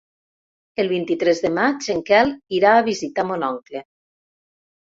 El vint-i-tres de maig en Quel irà a visitar mon oncle.